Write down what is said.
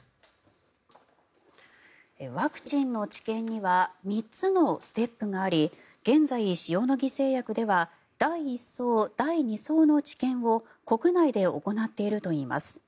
ワクチンの治験には３つのステップがあり現在、塩野義製薬では第１相、第２相の治験を国内で行っているといいます。